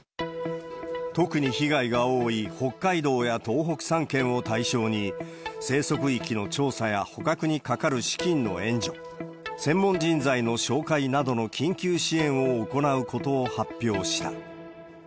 特に被害が多い北海道や東北３県を対象に、生息域の調査や捕獲にかかる資金の援助、専門人材の紹介などの緊急支援を行うことを発表した。